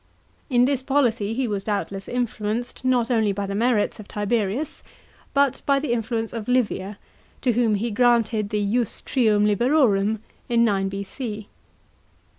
In this policy he was doubtless influenced not only by the merits of Tiberius, but by the influence of Livia, to whom he granted the ius trium liberorum in 9 B.c.